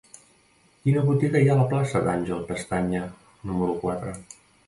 Quina botiga hi ha a la plaça d'Àngel Pestaña número quatre?